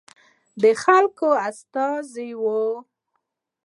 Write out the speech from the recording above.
د خلکو استازي وو.